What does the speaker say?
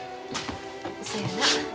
そやな。